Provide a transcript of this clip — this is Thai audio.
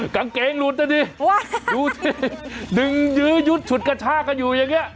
กางเกงหลุดนะดิดูสิดึงยื้อยุดฉุดกระชากันอยู่อย่างเงี้